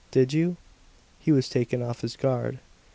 Did you?" He was taken off his guard.